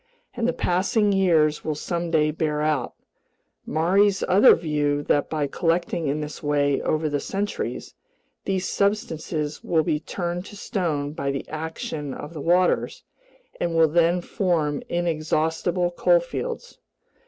And the passing years will someday bear out Maury's other view that by collecting in this way over the centuries, these substances will be turned to stone by the action of the waters and will then form inexhaustible coalfields.